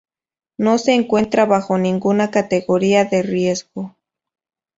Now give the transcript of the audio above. No se encuentra bajo ninguna categoría de riesgo.